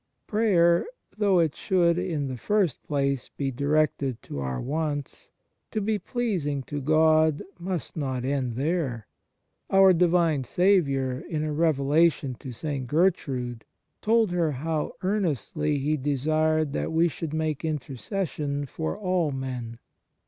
Prayer, though it should in the first place be directed to our wants, to be pleasing to God, must not end there. Our Divine Saviour in a revelation to St. Gertrude told her how earnestly He desired that we should make intercession for all men.